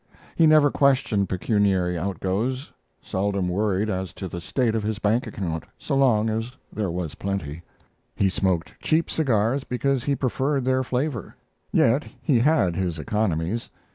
He never questioned pecuniary outgoes seldom worried as to the state of his bank account so long as there was plenty. He smoked cheap cigars because he preferred their flavor. Yet he had his economies.